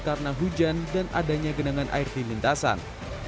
karena hujan dan adanya genangan air di lintasan